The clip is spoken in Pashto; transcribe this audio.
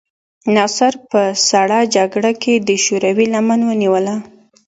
ناصر په سړه جګړه کې د شوروي لمن ونیوله.